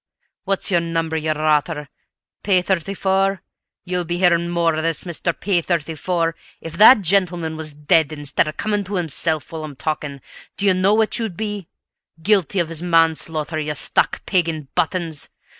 "What's your number, you rotter? P 34? You'll be hearing more of this, Mr. P 34! If that gentleman was dead instead of coming to himself while I'm talking do you know what you'd be? Guilty of his manslaughter, you stuck pig in buttons!